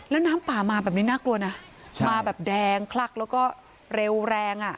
แล้วน้ำป่ามาแบบนี้น่ากลัวนะมาแบบแดงคลักแล้วก็เร็วแรงอ่ะ